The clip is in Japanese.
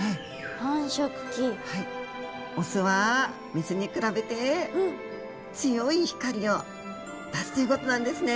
オスはメスに比べて強い光を出すということなんですね。